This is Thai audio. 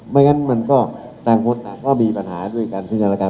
ไม่งั้นมันก็ต่างมดต่างก็มีปัญหาด้วยการชัยการรากาศ